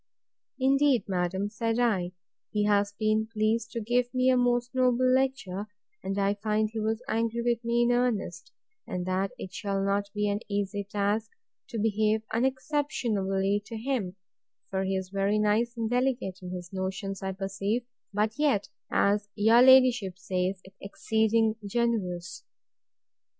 Indeed, madam, said I, he has been pleased to give me a most noble lecture; and I find he was angry with me in earnest, and that it will not be an easy task to behave unexceptionably to him: for he is very nice and delicate in his notions, I perceive; but yet, as your ladyship says, exceeding generous.